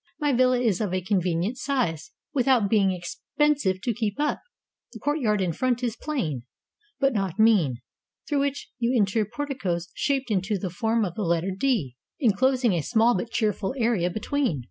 My villa is of a convenient size without being expen sive to keep up. The courtyard in front is plain, but not mean, through which you enter porticoes shaped into the form of the letter " D," inclosing a small but cheerful area between.